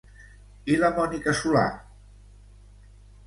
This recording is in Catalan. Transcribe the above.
I la Mònica Solà?